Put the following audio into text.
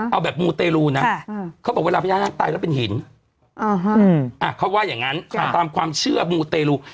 เอาแบบมูเตรลูนะเขาบอกเวลาพญานาคตายแล้วเป็นหินเขาว่าอย่างนั้นตามความเชื่อมูเตรลู